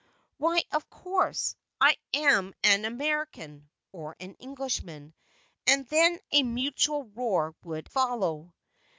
_" "Why, of course; I am an American" (or an Englishman); and then a mutual roar would follow.